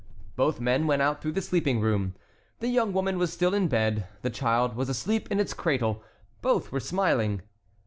Both men went out through the sleeping room. The young woman was still in bed. The child was asleep in its cradle. Both were smiling.